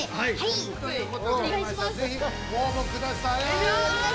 ◆ぜひご応募ください。